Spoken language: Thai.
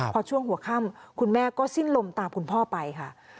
พอช่วงหัวค่ำคุณแม่ก็สิ้นลมตามคุณพ่อไปค่ะ